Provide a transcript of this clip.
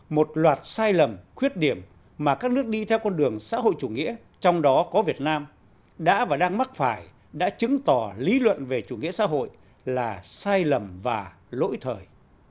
một loạt sai lầm khuyết điểm mà các nước đi theo con đường xã hội chủ nghĩa trong đó có việt nam đã và đang mắc phải đã chứng tỏ lý luận về chủ nghĩa xã hội là sai lầm và lỗi thời